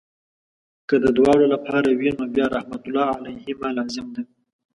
که د دواړو لپاره وي نو بیا رحمت الله علیهما لازم وو.